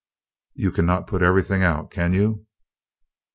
"You cannot put everything out, can you?"